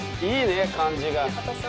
いいね感じが。